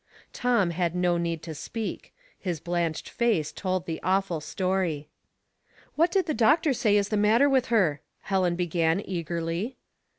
Tom had no need to speak ; his blanched face told the awful story. " What did the doctor say is the matter with her ?" Helen began, eagerly.